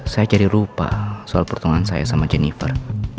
saya jadi lupa soal pertunangan saya sama jennifer